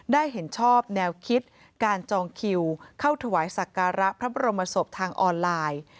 เห็นชอบแนวคิดการจองคิวเข้าถวายสักการะพระบรมศพทางออนไลน์